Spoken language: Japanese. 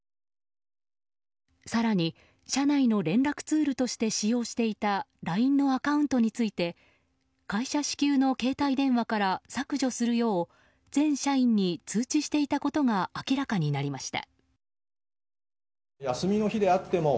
更に、社内の連絡ツールとして使用していたＬＩＮＥのアカウントについて会社支給の携帯電話から削除するよう全社員に通知していたことが明らかになりました。